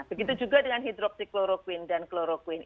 begitu juga dengan hidroksikloroquine dan kloroquine